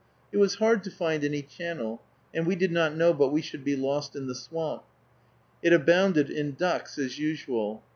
It was hard to find any channel, and we did not know but we should be lost in the swamp. It abounded in ducks, as usual.